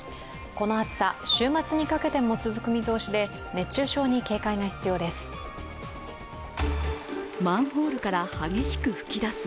この暑さ、週末にかけても続く見通しで熱中症に警戒が必要です。